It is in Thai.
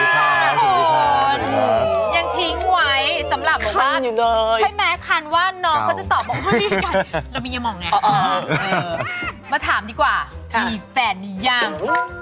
แค่ทิ้งไว้สำหรับเล่าว่าน้องเขาจะตอบมาถามดิกว่ามีแฟนต์หรือยัง